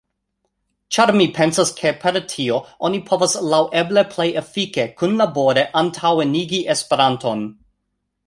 Ĉar mi pensas ke per tio oni povas laŭeble plej efike kunlabore antaŭenigi esperanton.